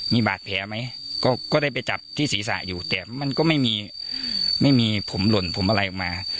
มีบาดแผลไหมก็ได้ไปจับที่ศีรษะอยู่แต่มันก็ไม่มีไม่มีผมหล่นผมอะไรออกมา